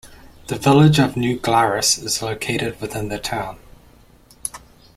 The village of New Glarus is located within the town.